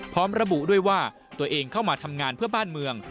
พร้อมระบุด้วยว่าตัวเองเข้ามาทำงานเพื่อบ้านเมือง